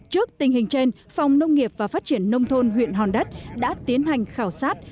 trước tình hình trên phòng nông nghiệp và phát triển nông thôn huyện hòn đất đã tiến hành khảo sát